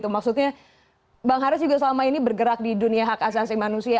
maksudnya bang haris juga selama ini bergerak di dunia hak asasi manusia